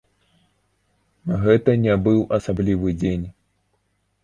Гэта не быў асаблівы дзень.